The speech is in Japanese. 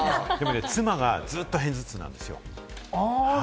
妻がずっと片頭痛なんですよ。